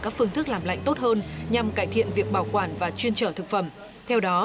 các phương thức làm lạnh tốt hơn nhằm cải thiện việc bảo quản và chuyên trở thực phẩm theo đó